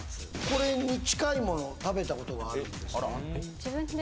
これに近いものを食べたことがあるんですか？